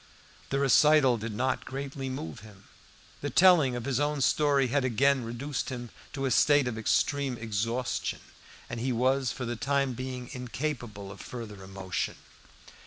The recital did not greatly move him. The telling of his own story had again reduced him to a state of extreme exhaustion, and he was for the time being incapable of further emotion.